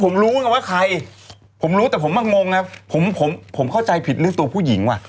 ผมรู้นะว่าใครผมรู้แต่ผมมางงนะผมผมเข้าใจผิดเรื่องตัวผู้หญิงว่ะ